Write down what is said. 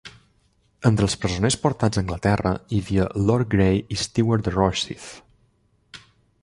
Entre els presoners portats a Anglaterra hi havia Lord Gray i Stewart de Rosyth.